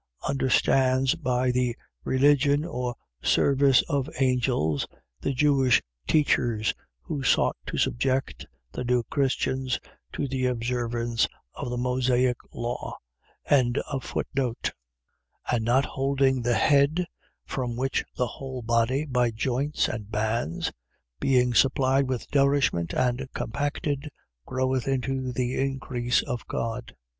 ] understands by the religion or service of angels, the Jewish teachers, who sought to subject the new Christians to the observance of the Mosaic law. 2:19. And not holding the head, from which the whole body, by joints and bands, being supplied with nourishment and compacted, groweth into the increase of God.